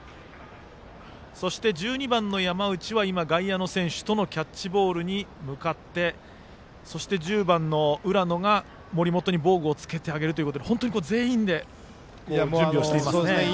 そして１２番の山内は外野の選手とのキャッチボールに向かってそして１０番の浦野が森本に防具をつけてあげるということで本当に全員で準備しています。